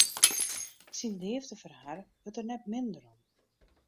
Syn leafde foar har wurdt der net minder om.